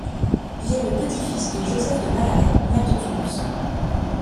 Il est le petit-fils de Joseph de Malaret, maire de Toulouse.